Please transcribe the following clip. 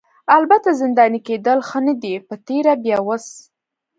البته زنداني کیدل ښه نه دي په تېره بیا اوس.